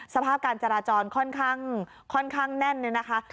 สภาพการจราจรค่อนข้างแน่นนะฮะ